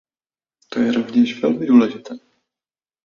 To je rovněž velmi důležité.